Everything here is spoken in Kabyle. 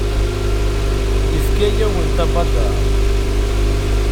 Yefka-yawent abadaṛ.